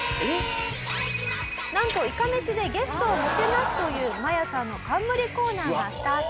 なんといかめしでゲストをもてなすというマヤさんの冠コーナーがスタート。